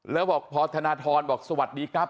แล้วบอกพอธนทรบอกสวัสดีครับ